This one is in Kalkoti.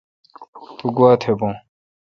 تو گوا تھ بھو۔